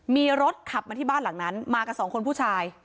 มีรถขับมาที่บ้านหลังนั้นมากับสองคนผู้ชาย